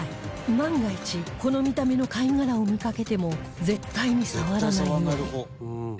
万が一この見た目の貝殻を見かけても絶対に触らないように